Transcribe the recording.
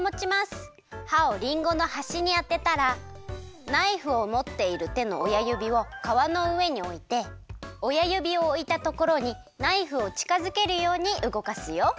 はをりんごのはしにあてたらナイフをもっているてのおやゆびをかわのうえにおいておやゆびをおいたところにナイフをちかづけるようにうごかすよ。